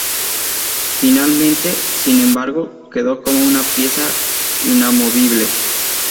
Finalmente, sin embargo, quedó como una pieza inamovible.